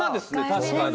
確かに。